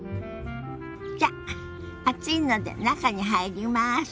じゃ暑いので中に入ります。